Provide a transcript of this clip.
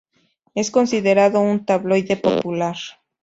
Es considerado un tabloide popular.